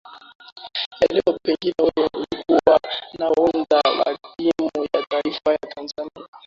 ya leo pengine wewe ulikuwa nahodha wa timu ya taifa ya tanzania